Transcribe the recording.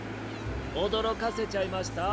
おどろかせちゃいました？